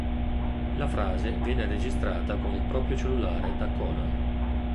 La frase viene registrata con il proprio cellulare da Conan.